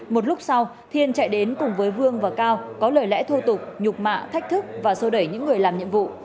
một lúc sau thiên chạy đến cùng với vương và cao có lời lẽ thô tục nhục mạ thách thức và sô đẩy những người làm nhiệm vụ